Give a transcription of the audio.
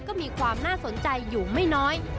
ก็มีความน่าสนใจอยู่ไม่น้อย